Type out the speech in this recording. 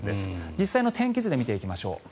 実際の天気図で見ていきましょう。